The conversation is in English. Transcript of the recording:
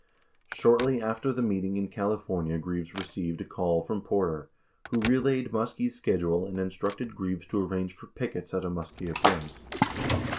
Shortly after the meeting in California Greaves received a call from Porter, who relayed Muskie's schedule and instructed Greaves to arrange for pickets at a Muskie appearance.